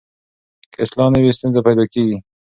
که اصلاح نه وي ستونزه پیدا کېږي.